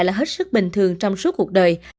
là hết sức bình thường trong suốt cuộc đời